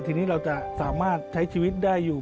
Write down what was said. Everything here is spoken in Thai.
ทีนี้เราจะสามารถใช้ชีวิตได้อยู่